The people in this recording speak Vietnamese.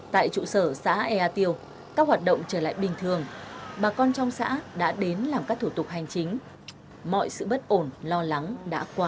tại trụ sở xã ea tiêu các hoạt động trở lại bình thường bà con trong xã đã đến làm các thủ tục hành chính mọi sự bất ổn lo lắng đã qua